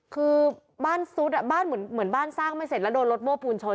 คือบ้านซุดอ่ะบ้านเหมือนบ้านสร้างไม่เสร็จแล้วโดนรถโม้ปูนชน